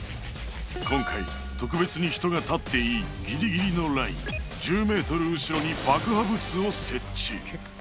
今回特別に人が立っていいギリギリのライン１０ｍ後ろに爆破物を設置